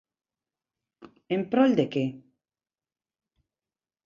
En prol de que?